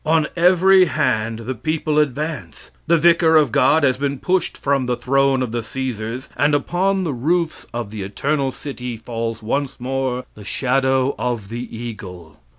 On every hand the people advance. The vicar of God has been pushed from the throne of the Caesars, and upon the roofs of the Eternal city falls once more the shadow of the eagle.